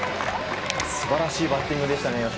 素晴らしいバッティングでしたね。